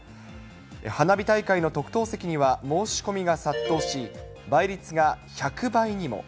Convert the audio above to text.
花火大会の特等席には申し込みが殺到し、倍率が１００倍にも。